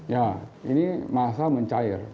ya ini masa mencair